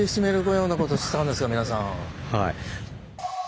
はい。